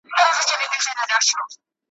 څو مره کاڼي دي اور یږي ستا د کوره